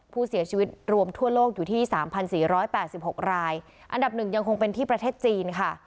ผู้เสียชีวิตรวมทั่วโลกอยู่ที่๓๔๘๖รายอันดับหนึ่งยังคงเป็นที่ประเทศจีนค่ะ